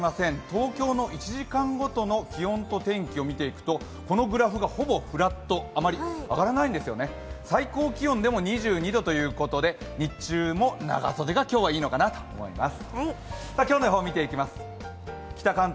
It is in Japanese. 東京の１時間ごとの気温と天気を見ていくと、このグラフがほぼフラット、あまり上がらないんですよね最高気温でも２２度ということで日中も長袖が、今日はいいのかなと思います。